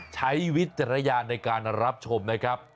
ใช้วิทยาลในการรับชมนะครับ